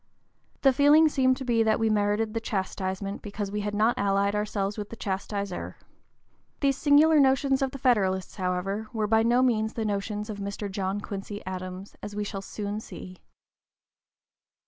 The feeling seemed to be that we merited the chastisement because we had not allied ourselves with the chastiser. These singular notions of the Federalists, however, were by no means the notions of Mr. John Quincy Adams, as we shall soon see.